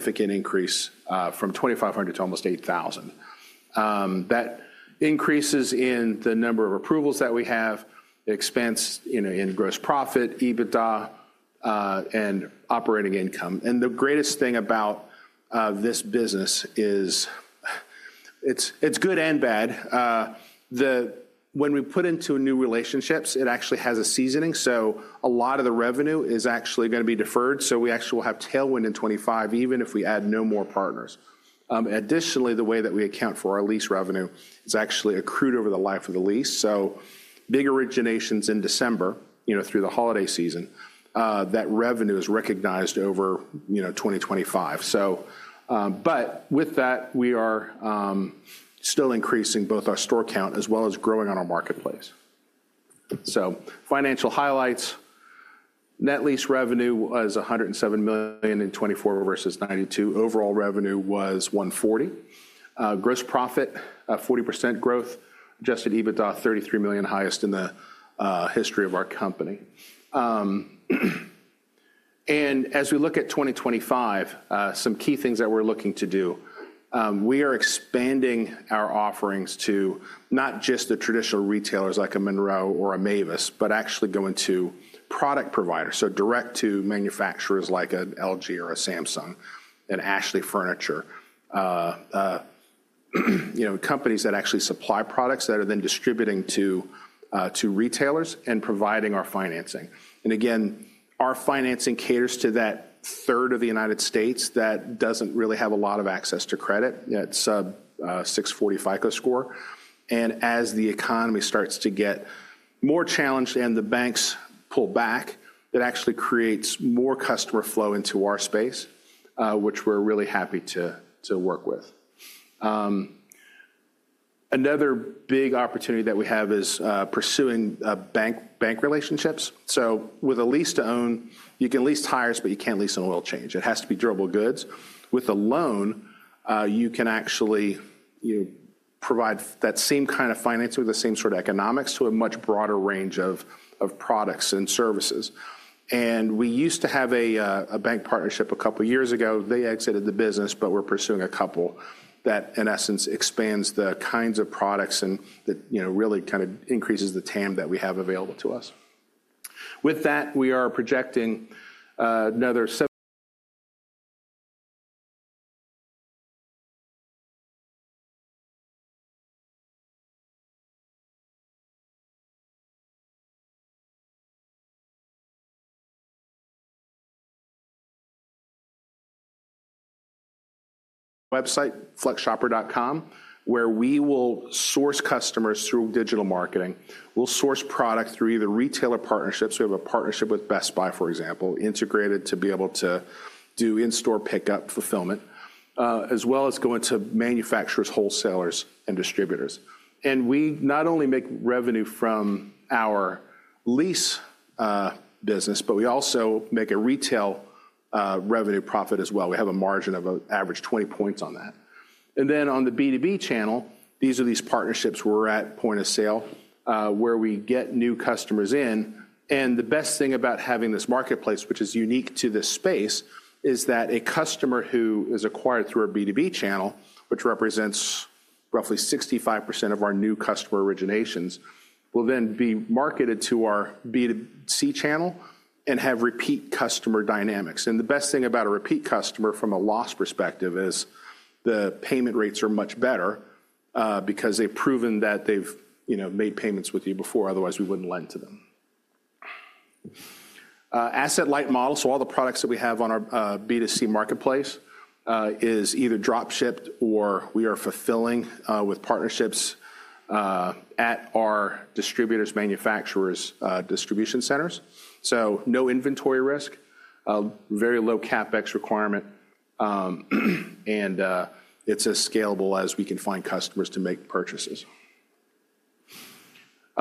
Significant increase from 2,500 to almost 8,000. That increase is in the number of approvals that we have, expense in gross profit, EBITDA, and operating income. The greatest thing about this business is it's good and bad. When we put into new relationships, it actually has a seasoning. A lot of the revenue is actually going to be deferred. We actually will have tailwind in 2025, even if we add no more partners. Additionally, the way that we account for our lease revenue is actually accrued over the life of the lease. Big originations in December, through the holiday season, that revenue is recognized over 2025. With that, we are still increasing both our store count as well as growing on our marketplace. Financial highlights: net lease revenue was $107 million in 2024 versus $92 million. Overall revenue was $140 million. Gross profit, 40% growth, adjusted EBITDA, $33 million, highest in the history of our company. As we look at 2025, some key things that we're looking to do: we are expanding our offerings to not just the traditional retailers like a Monro or a Mavis, but actually going to product providers. Direct to manufacturers like an LG or a Samsung and Ashley Furniture, companies that actually supply products that are then distributing to retailers and providing our financing. Our financing caters to that third of the United States that doesn't really have a lot of access to credit. It's a 640 FICO score. As the economy starts to get more challenged and the banks pull back, it actually creates more customer flow into our space, which we're really happy to work with. Another big opportunity that we have is pursuing bank relationships. With a lease-to-own, you can lease tires, but you can't lease an oil change. It has to be durable goods. With a loan, you can actually provide that same kind of financing with the same sort of economics to a much broader range of products and services. We used to have a bank partnership a couple of years ago. They exited the business, but we're pursuing a couple that, in essence, expands the kinds of products and really kind of increases the TAM that we have available to us. With that, we are projecting another website flexshopper.com, where we will source customers through digital marketing. We'll source product through either retailer partnerships. We have a partnership with Best Buy, for example, integrated to be able to do in-store pickup fulfillment, as well as going to manufacturers, wholesalers, and distributors. We not only make revenue from our lease business, but we also make a retail revenue profit as well. We have a margin of average 20 percentage points on that. On the B2B channel, these are these partnerships where we're at point of sale, where we get new customers in. The best thing about having this marketplace, which is unique to this space, is that a customer who is acquired through our B2B channel, which represents roughly 65% of our new customer originations, will then be marketed to our B2C channel and have repeat customer dynamics. The best thing about a repeat customer from a loss perspective is the payment rates are much better because they've proven that they've made payments with you before. Otherwise, we wouldn't lend to them. Asset light model. All the products that we have on our B2C marketplace are either drop-shipped or we are fulfilling with partnerships at our distributors, manufacturers, distribution centers. No inventory risk, very low CapEx requirement, and it's as scalable as we can find customers to make purchases.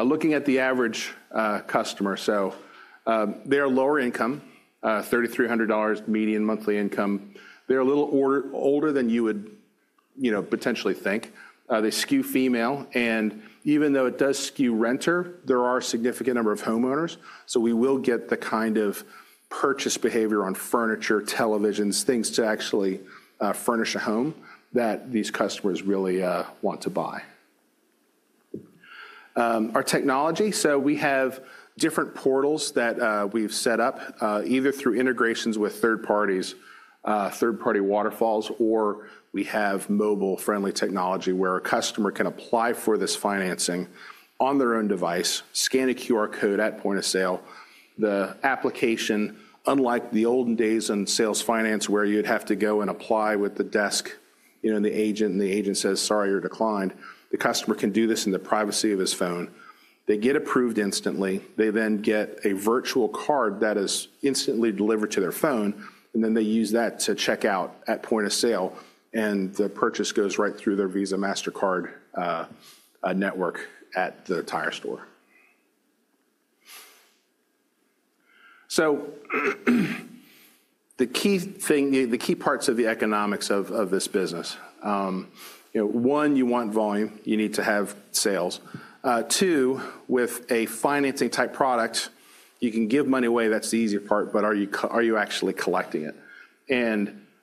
Looking at the average customer, they're lower income, $3,300 median monthly income. They're a little older than you would potentially think. They skew female. Even though it does skew renter, there are a significant number of homeowners. We will get the kind of purchase behavior on furniture, televisions, things to actually furnish a home that these customers really want to buy. Our technology. We have different portals that we've set up either through integrations with third parties, third-party waterfalls, or we have mobile-friendly technology where a customer can apply for this financing on their own device, scan a QR code at point of sale. The application, unlike the olden days in sales finance where you'd have to go and apply with the desk and the agent, and the agent says, "Sorry, you're declined," the customer can do this in the privacy of his phone. They get approved instantly. They then get a virtual card that is instantly delivered to their phone, and then they use that to check out at point of sale, and the purchase goes right through their Visa MasterCard network at the tire store. The key parts of the economics of this business: one, you want volume. You need to have sales. Two, with a financing-type product, you can give money away. That's the easier part, but are you actually collecting it?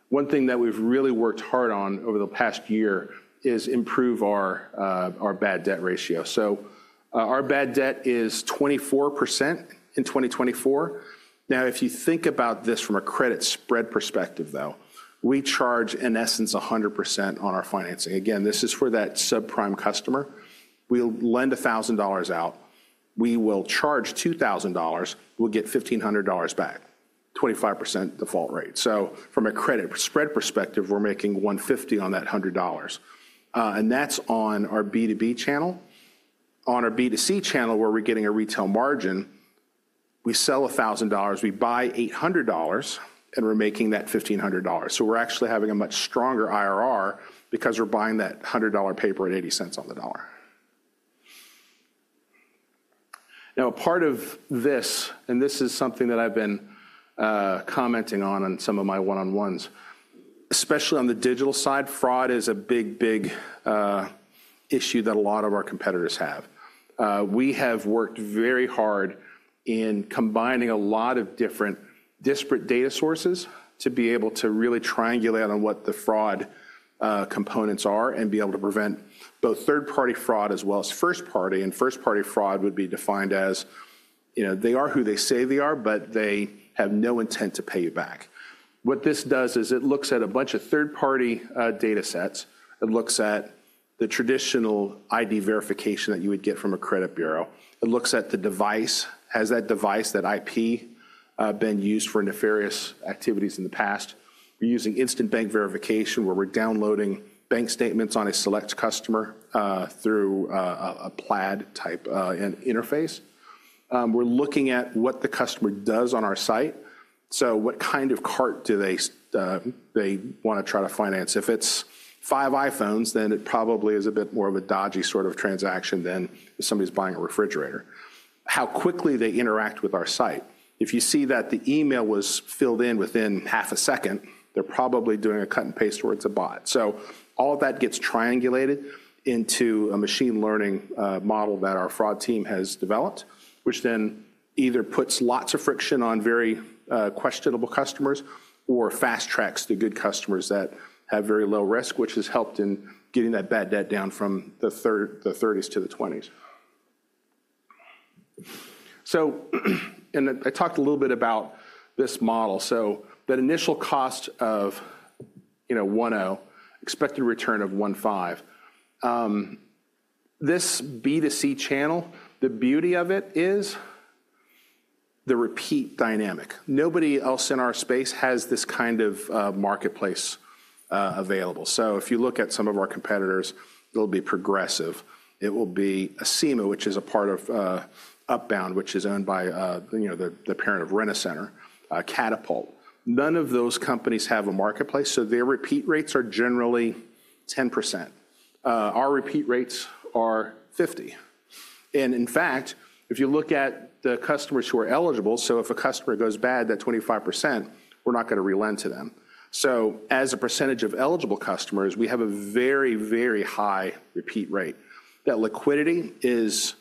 One thing that we've really worked hard on over the past year is improve our bad debt ratio. Our bad debt is 24% in 2024. Now, if you think about this from a credit spread perspective, though, we charge, in essence, 100% on our financing. Again, this is for that subprime customer. We'll lend $1,000 out. We will charge $2,000. We'll get $1,500 back, 25% default rate. From a credit spread perspective, we're making $150 on that $100. That's on our B2B channel. On our B2C channel, where we're getting a retail margin, we sell $1,000, we buy $800, and we're making that $1,500. We're actually having a much stronger IRR because we're buying that $100 paper at $0.80 on the dollar. Now, a part of this, and this is something that I've been commenting on in some of my one-on-ones, especially on the digital side, fraud is a big, big issue that a lot of our competitors have. We have worked very hard in combining a lot of different disparate data sources to be able to really triangulate on what the fraud components are and be able to prevent both third-party fraud as well as first-party. First-party fraud would be defined as they are who they say they are, but they have no intent to pay you back. What this does is it looks at a bunch of third-party data sets. It looks at the traditional ID verification that you would get from a credit bureau. It looks at the device. Has that device, that IP, been used for nefarious activities in the past? We're using instant bank verification where we're downloading bank statements on a select customer through a Plaid-type interface. We're looking at what the customer does on our site. So what kind of cart do they want to try to finance? If it's five iPhones, then it probably is a bit more of a dodgy sort of transaction than if somebody's buying a refrigerator. How quickly they interact with our site. If you see that the email was filled in within half a second, they're probably doing a cut and paste towards a bot. So all of that gets triangulated into a machine learning model that our fraud team has developed, which then either puts lots of friction on very questionable customers or fast-tracks to good customers that have very low risk, which has helped in getting that bad debt down from the 30s to the 20s. I talked a little bit about this model. That initial cost of 10, expected return of 15. This B2C channel, the beauty of it is the repeat dynamic. Nobody else in our space has this kind of marketplace available. If you look at some of our competitors, it'll be Progressive. It will be Acima, which is a part of Upbound, which is owned by the parent of Rent-A-Center, Catapult. None of those companies have a marketplace. Their repeat rates are generally 10%. Our repeat rates are 50%. In fact, if you look at the customers who are eligible, if a customer goes bad, that 25%, we're not going to relent to them. As a percentage of eligible customers, we have a very, very high repeat rate. That liquidity is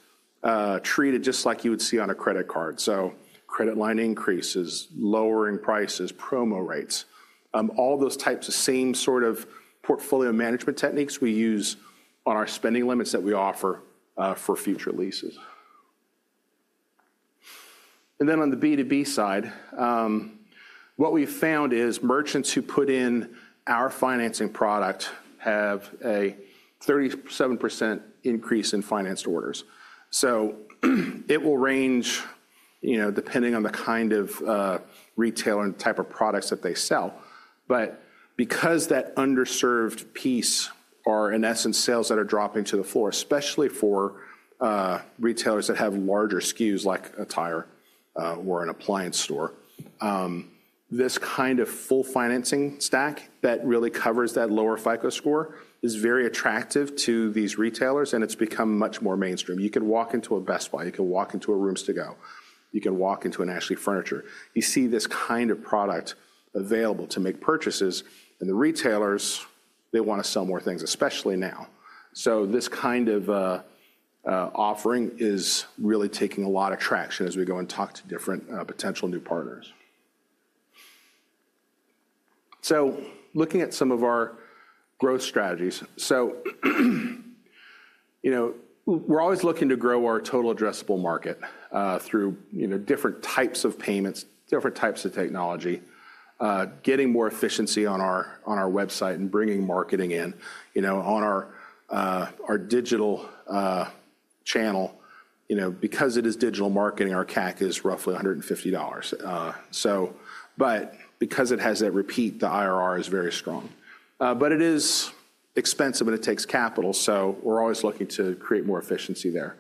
treated just like you would see on a credit card. Credit line increases, lowering prices, promo rates, all those types of same sort of portfolio management techniques we use on our spending limits that we offer for future leases. On the B2B side, what we've found is merchants who put in our financing product have a 37% increase in financed orders. It will range depending on the kind of retailer and type of products that they sell. Because that underserved piece are, in essence, sales that are dropping to the floor, especially for retailers that have larger SKUs like a tire or an appliance store, this kind of full financing stack that really covers that lower FICO score is very attractive to these retailers, and it's become much more mainstream. You can walk into a Best Buy. You can walk into a Rooms to Go. You can walk into an Ashley Furniture. You see this kind of product available to make purchases. The retailers, they want to sell more things, especially now. This kind of offering is really taking a lot of traction as we go and talk to different potential new partners. Looking at some of our growth strategies, we're always looking to grow our total addressable market through different types of payments, different types of technology, getting more efficiency on our website and bringing marketing in on our digital channel. Because it is digital marketing, our CAC is roughly $150. Because it has that repeat, the IRR is very strong. It is expensive, and it takes capital. We're always looking to create more efficiency there.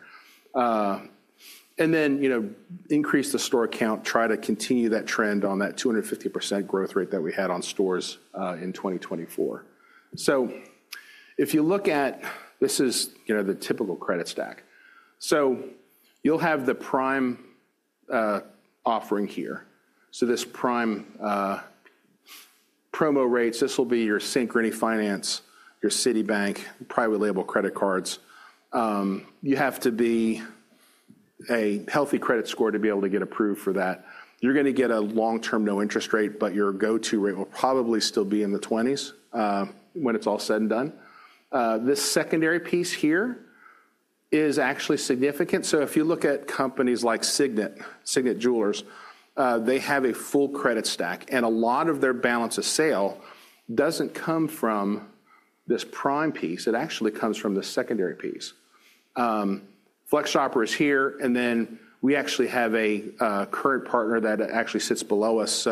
Increase the store count, try to continue that trend on that 250% growth rate that we had on stores in 2024. If you look at this, this is the typical credit stack. You'll have the prime offering here. This prime promo rates, this will be your Synchrony Finance, your Citibank, private label credit cards. You have to be a healthy credit score to be able to get approved for that. You're going to get a long-term no interest rate, but your go-to rate will probably still be in the 20s when it's all said and done. This secondary piece here is actually significant. If you look at companies like Signet, Signet Jewelers, they have a full credit stack. A lot of their balance of sale doesn't come from this prime piece. It actually comes from the secondary piece. FlexShopper is here. We actually have a current partner that actually sits below us.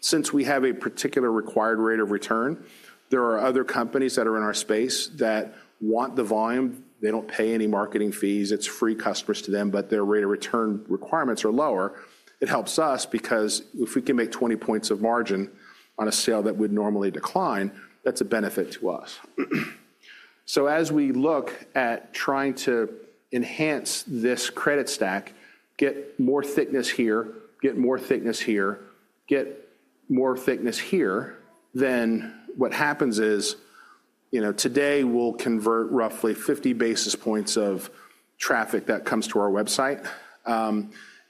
Since we have a particular required rate of return, there are other companies that are in our space that want the volume. They do not pay any marketing fees. It is free customers to them, but their rate of return requirements are lower. It helps us because if we can make 20 points of margin on a sale that would normally decline, that is a benefit to us. As we look at trying to enhance this credit stack, get more thickness here, get more thickness here, get more thickness here, what happens is today we will convert roughly 50 basis points of traffic that comes to our website.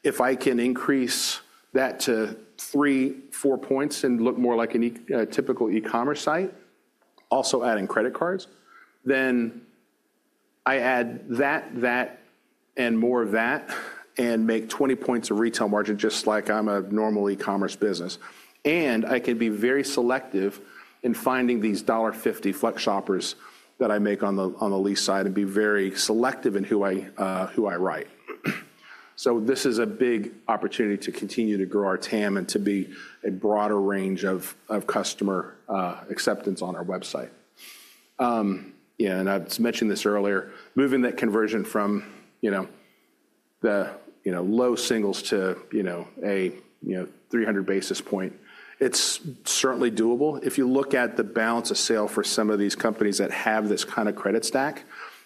If I can increase that to three, four points and look more like a typical e-commerce site, also adding credit cards, then I add that, that, and more of that and make 20 points of retail margin just like I'm a normal e-commerce business. I can be very selective in finding these $1.50 FlexShopper customers that I make on the lease side and be very selective in who I write. This is a big opportunity to continue to grow our TAM and to be a broader range of customer acceptance on our website. I mentioned this earlier, moving that conversion from the low singles to a 300 basis point, it's certainly doable. If you look at the balance of sale for some of these companies that have this kind of credit stack,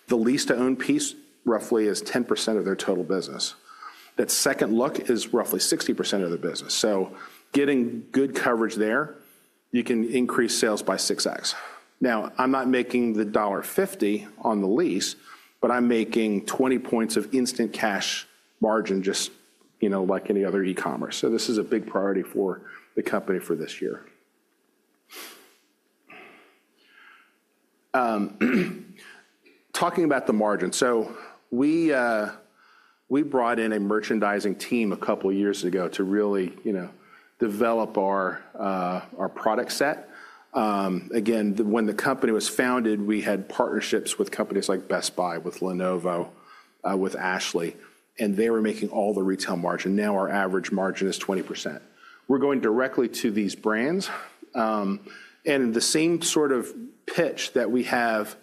the lease-to-own piece roughly is 10% of their total business. That second look is roughly 60% of the business. Getting good coverage there, you can increase sales by 6x. Now, I'm not making the $1.50 on the lease, but I'm making 20 points of instant cash margin just like any other e-commerce. This is a big priority for the company for this year. Talking about the margin. We brought in a merchandising team a couple of years ago to really develop our product set. Again, when the company was founded, we had partnerships with companies like Best Buy, with Lenovo, with Ashley, and they were making all the retail margin. Now our average margin is 20%. We're going directly to these brands. The same sort of pitch that we have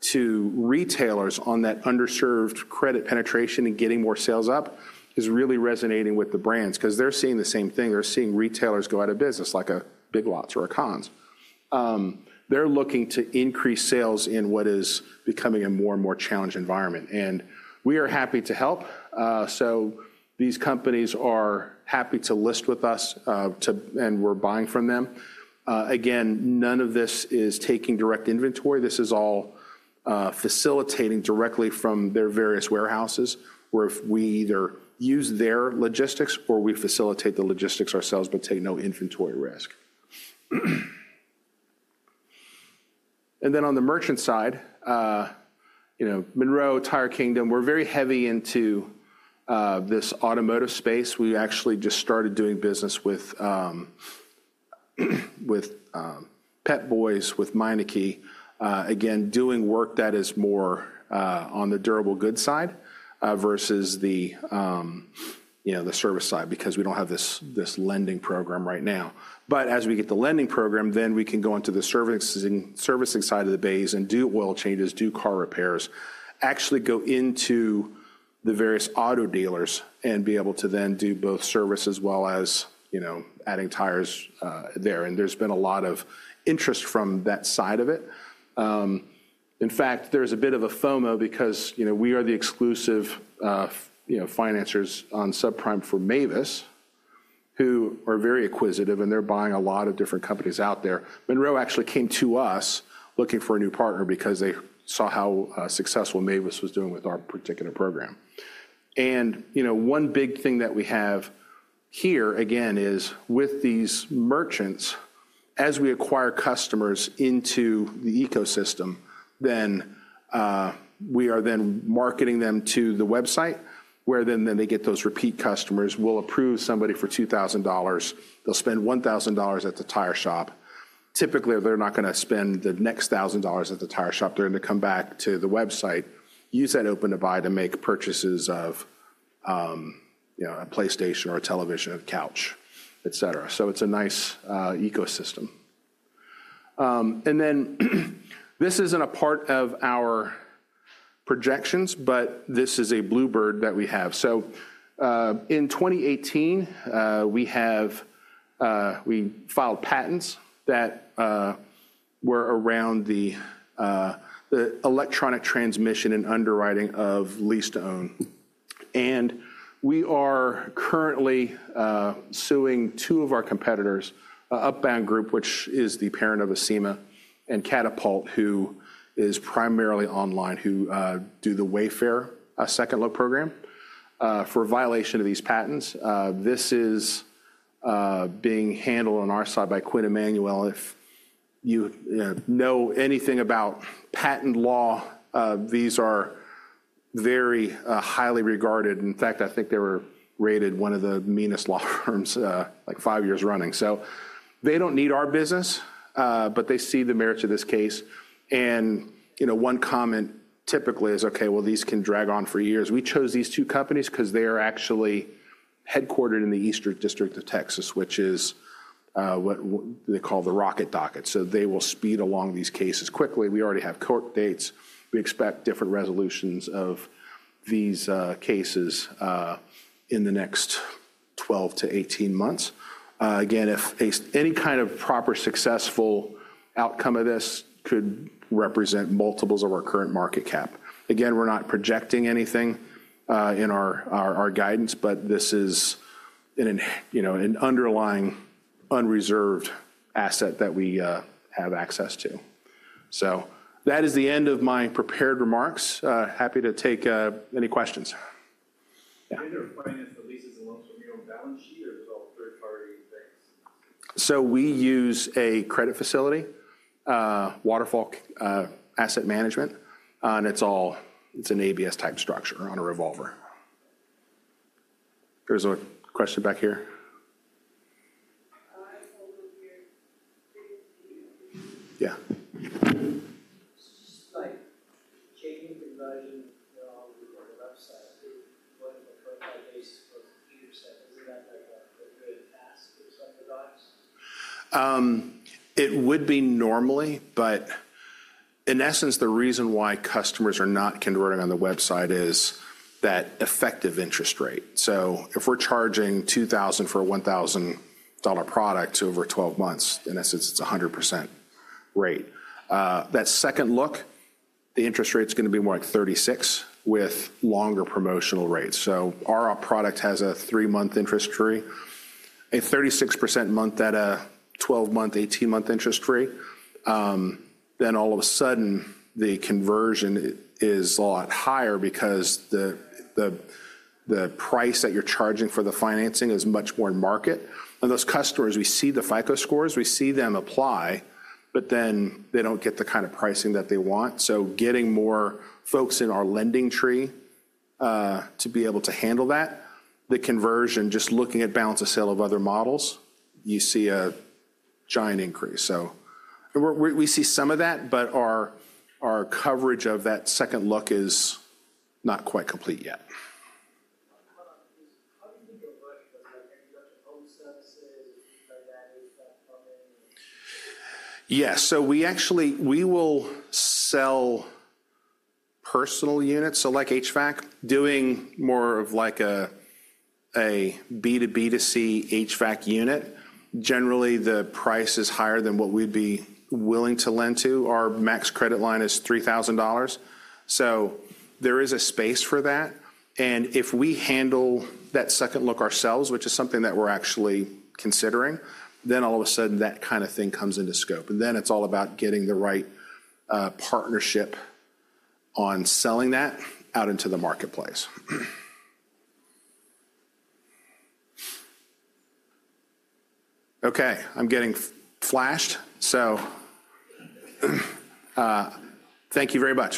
to retailers on that underserved credit penetration and getting more sales up is really resonating with the brands because they're seeing the same thing. They're seeing retailers go out of business like a Big Lots or a Conn's. They're looking to increase sales in what is becoming a more and more challenged environment. We are happy to help. These companies are happy to list with us, and we're buying from them. Again, none of this is taking direct inventory. This is all facilitating directly from their various warehouses where we either use their logistics or we facilitate the logistics ourselves, but take no inventory risk. On the merchant side, Monro, Tire Kingdom, we're very heavy into this automotive space. We actually just started doing business with Pep Boys, with Meineke, again, doing work that is more on the durable good side versus the service side because we don't have this lending program right now. As we get the lending program, then we can go into the servicing side of the base and do oil changes, do car repairs, actually go into the various auto dealers and be able to then do both service as well as adding tires there. There's been a lot of interest from that side of it. In fact, there's a bit of a FOMO because we are the exclusive financers on subprime for Mavis who are very acquisitive, and they're buying a lot of different companies out there. Monro actually came to us looking for a new partner because they saw how successful Mavis was doing with our particular program. One big thing that we have here, again, is with these merchants, as we acquire customers into the ecosystem, then we are then marketing them to the website where then they get those repeat customers. We'll approve somebody for $2,000. They'll spend $1,000 at the tire shop. Typically, they're not going to spend the next $1,000 at the tire shop. They're going to come back to the website, use that Open to Buy to make purchases of a PlayStation or a television, a couch, etc. It is a nice ecosystem. This isn't a part of our projections, but this is a bluebird that we have. In 2018, we filed patents that were around the electronic transmission and underwriting of lease-to-own. We are currently suing two of our competitors, Upbound Group, which is the parent of Acima, and Catapult, who is primarily online, who do the Wayfair second look program for violation of these patents. This is being handled on our side by Quinn Emanuel. If you know anything about patent law, these are very highly regarded. In fact, I think they were rated one of the meanest law firms like five years running. They do not need our business, but they see the merits of this case. One comment typically is, "Okay, well, these can drag on for years." We chose these two companies because they are actually headquartered in the Eastern District of Texas, which is what they call the Rocket Docket. They will speed along these cases quickly. We already have court dates. We expect different resolutions of these cases in the next 12-18 months. Again, if any kind of proper successful outcome of this could represent multiples of our current market cap. We are not projecting anything in our guidance, but this is an underlying unreserved asset that we have access to. That is the end of my prepared remarks. Happy to take any questions. Are there finance releases and loans from your own balance sheet, or is it all third-party things? We use a credit facility, Waterfall Asset Management, and it's an ABS-type structure on a revolver. There's a question back here. Yeah. Like changing the version of the website to run on a 25-base computer set, isn't that like a good task for some device? It would be normally, but in essence, the reason why customers are not converting on the website is that effective interest rate. So if we're charging $2,000 for a $1,000 product over 12 months, in essence, it's a 100% rate. That second look, the interest rate's going to be more like 36% with longer promotional rates. Our product has a three-month interest free, a 36% month at a 12-month, 18-month interest free. All of a sudden, the conversion is a lot higher because the price that you're charging for the financing is much more in market. And those customers, we see the FICO scores, we see them apply, but then they don't get the kind of pricing that they want. Getting more folks in our lending tree to be able to handle that, the conversion, just looking at balance of sale of other models, you see a giant increase. We see some of that, but our coverage of that second look is not quite complete yet. How do you think you'll run it? Are you going to own services or things like that? HVAC coming? Yes. We will sell personal units. Like HVAC, doing more of a B2B2C HVAC unit, generally the price is higher than what we'd be willing to lend to. Our max credit line is $3,000. There is a space for that. If we handle that second look ourselves, which is something that we're actually considering, all of a sudden that kind of thing comes into scope. It is all about getting the right partnership on selling that out into the marketplace. Okay. I'm getting flashed. Thank you very much.